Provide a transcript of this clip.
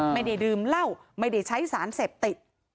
ไม่ได้ดื่มเหล้าไม่ได้ใช้สารเสพติด